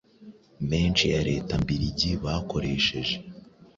menshi ya Leta mbiligi bakoresheje.